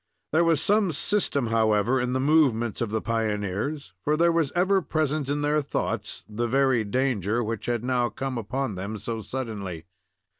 There was some system, however, in the movements of the pioneers, for there was ever present in their thoughts the very danger which had now come upon them so suddenly.